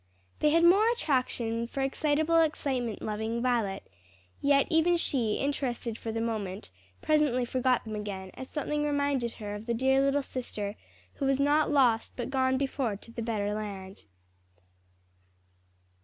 They had more attraction for excitable, excitement loving Violet; yet even she, interested for the moment, presently forgot them again, as something reminded her of the dear little sister, who was not lost but gone before to the better land.